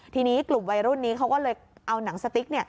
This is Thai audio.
ทีนี้กลุ่มวัยรุ่นนี้เขาก็เลยเอาหนังสติ๊ก